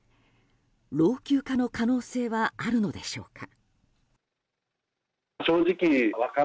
老朽化の可能性はあるのでしょうか。